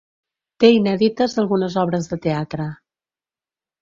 Té inèdites algunes obres de teatre.